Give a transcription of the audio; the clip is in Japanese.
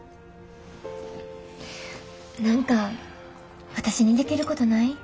何か私にできることない？